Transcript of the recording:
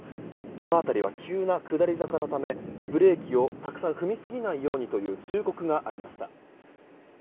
この辺りは急な下り坂のためブレーキをたくさん踏みすぎないようにという忠告がありました。